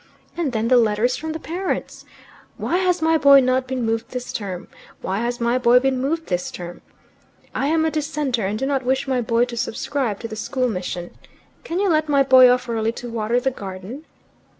And then the letters from the parents! 'Why has my boy not been moved this term?' 'Why has my boy been moved this term?' 'I am a dissenter, and do not wish my boy to subscribe to the school mission.' 'Can you let my boy off early to water the garden?